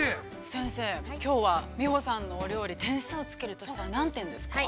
◆先生、きょうは美穂さんのお料理点数をつけるとしたら何点ですか。